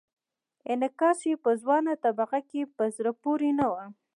انعکاس یې په ځوانه طبقه کې په زړه پورې نه و.